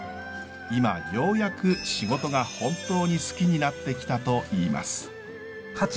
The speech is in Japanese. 今ようやく仕事が本当に好きになってきたといいます。